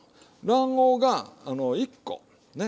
卵黄が１個ね。